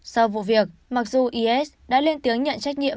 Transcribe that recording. sau vụ việc mặc dù is đã lên tiếng nhận trách nhiệm